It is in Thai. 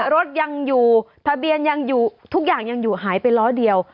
รถยังอยู่ทะเบียนยังอยู่ทุกอย่างยังอยู่หายไปล้อเดียว